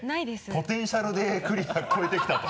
ポテンシャルでクリア越えてきたと。